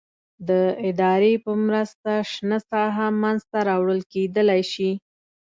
د ادارې په مرسته شنه ساحه منځته راوړل کېدلای شي.